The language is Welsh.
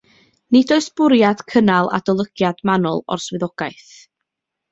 Nid oes bwriad cynnal adolygiad manwl o'r swyddogaeth